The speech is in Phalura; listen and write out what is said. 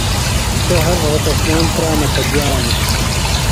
سوۡ ہر روھوتشنام کرامہ تھےۡ بِیانوۡ۔